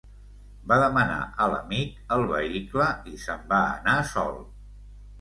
Va demanar a l'amic el vehicle i se'n va anar sol.